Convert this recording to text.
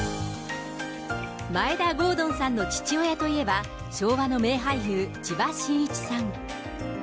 眞栄田郷敦さんの父親といえば、昭和の名俳優、千葉真一さん。